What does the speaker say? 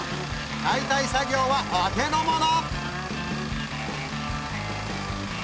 解体作業はお手のもの